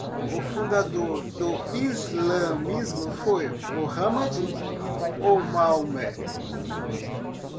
O fundador do islamismo foi Mohammad, ou Maomé